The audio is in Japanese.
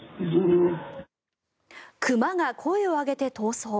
熊が声を上げて逃走。